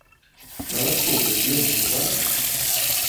На ваш погляд, ён яго варты?